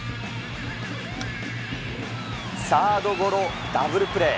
サードゴロ、ダブルプレー。